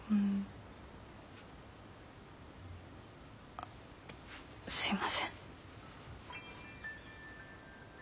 あっすいません。